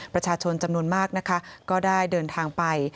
ประชาชนจำนวนมากนะคะก็ได้เดินทางไป